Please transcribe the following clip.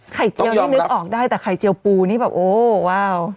เจียวนี่นึกออกได้แต่ไข่เจียวปูนี่แบบโอ้ว้าว